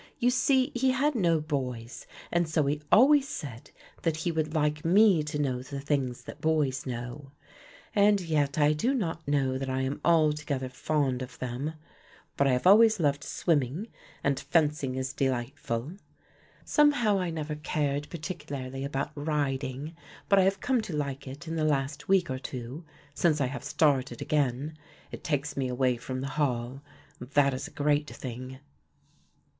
You see he had no boys and so he always said that he would like me to know the things that boys know. And yet I do not know that I am altogether fond of them. But I have always loved swimming, and fencing is delightful. Somehow I never cared particularly about riding, but I have come to like it in the last week or two, since I have started again. It takes me away from the Hall and that is a great thing."